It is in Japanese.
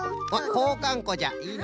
こうかんこじゃいいの。